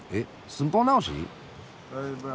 寸法直し？